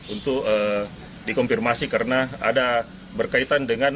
untuk dikonfirmasi karena ada berkaitan dengan